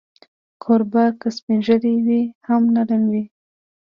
کوربه که سپین ږیری وي، هم نرم وي.